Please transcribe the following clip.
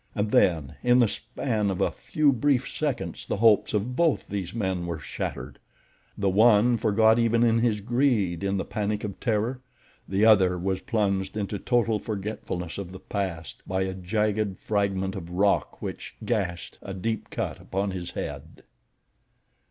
And then, in the span of a few brief seconds, the hopes of both these men were shattered. The one forgot even his greed in the panic of terror—the other was plunged into total forgetfulness of the past by a jagged fragment of rock which gashed a deep cut upon his head.